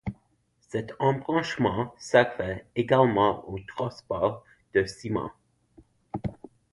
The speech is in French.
Cet embranchement servait également au transport de ciment.